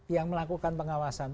yang melakukan pengawasan